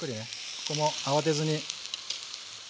ここも慌てずに。